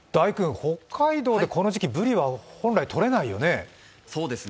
大君、北海道でこの時期、ブリはとれないよね。